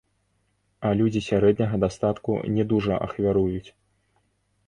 А людзі сярэдняга дастатку не дужа ахвяруюць.